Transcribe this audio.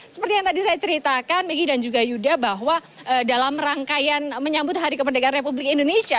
seperti yang tadi saya ceritakan megi dan juga yuda bahwa dalam rangkaian menyambut hari kemerdekaan republik indonesia